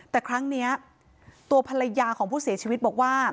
แต่ครั้งนี้ตัวภรรยาของผู้เสียชีวิตบอกว่า